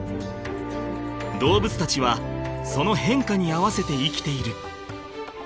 ［動物たちはその変化に合わせて生きている］